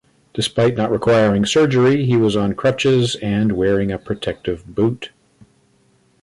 Despite not requiring surgery, he was on crutches and wearing a protective boot.